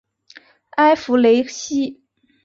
埃夫雷西。